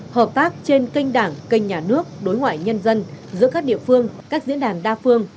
hợp tác trên kênh đảng kênh nhà nước đối ngoại nhân dân giữa các địa phương các diễn đàn đa phương